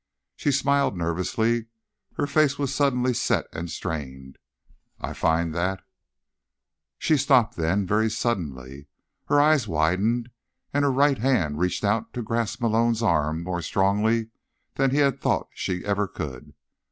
She smiled nervously. Her face was suddenly set and strained. "I find that—" She stopped then, very suddenly. Her eyes widened, and her right hand reached out to grasp Malone's arm more strongly than he had thought she ever could.